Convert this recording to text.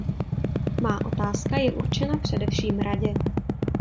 Má otázka je určena především Radě.